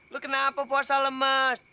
lu kenapa puasa lemes